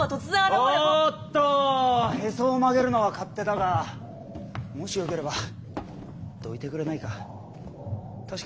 おっとへそを曲げるのは勝手だがもしよければどいてくれないか。